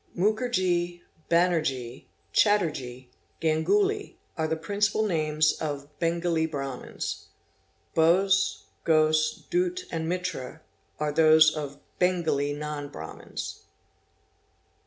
Mukerjee, Bannerjee, Chatterjee, Gangooley are the principal names : of Bengalee Brahmins. Bose, Ghose, Dutt and Mitra are those of Bengalee — non Brahmins.